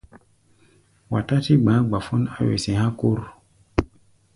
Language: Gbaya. Wa tátí gba̧á̧ gbafón á wesé há̧ kór.